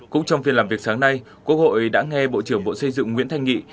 cũng trong phiên làm việc sáng nay quốc hội đã nghe bộ trưởng bộ xây dựng nguyễn thanh nghị